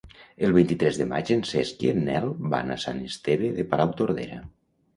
El vint-i-tres de maig en Cesc i en Nel van a Sant Esteve de Palautordera.